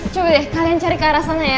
coba deh kalian cari ke arah sana ya